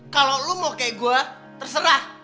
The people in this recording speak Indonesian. kalau lo mau kayak gue terserah